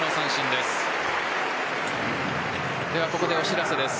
では、ここでお知らせです。